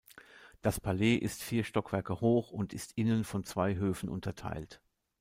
Das Palais ist vier Stockwerke hoch und ist innen von zwei Höfen unterteilt.